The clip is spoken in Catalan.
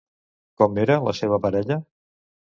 Com era la seva parella?